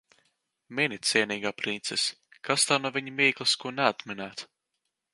Mini, cienīgā princese. Kas tev no viņa mīklas ko neatminēt.